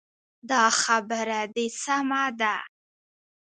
دا خبره دې سمه ده.